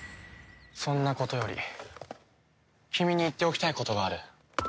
そんなことより君に言っておきたいことがある。